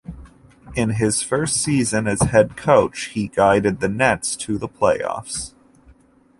In his first season as head coach, he guided the Nets to the playoffs.